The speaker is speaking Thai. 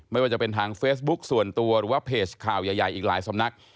ไม่ว่าจะเป็นทางเฟซบุ๊คส่วนตัวหรือว่าเพจข่าวใหญ่อีกหลายสำนัก